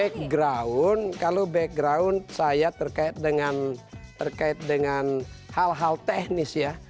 background kalau background saya terkait dengan hal hal teknis ya